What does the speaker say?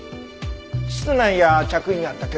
室内や着衣にあった血痕は？